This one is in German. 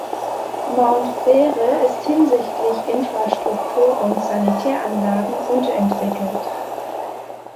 Mount Frere ist hinsichtlich Infrastruktur und Sanitäranlagen unterentwickelt.